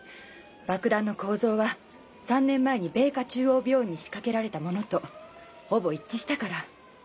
爆弾の構造は３年前に米花中央病院に仕掛けられた物とほぼ一致したから。